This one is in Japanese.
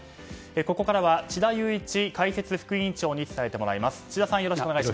ここからは智田裕一解説副委員長に伝えてもらいます。